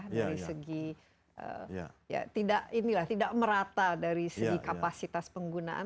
dari segi tidak merata dari segi kapasitas penggunaan